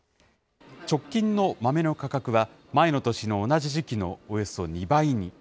直近の豆の価格は、前の年の同じ時期のおよそ２倍に。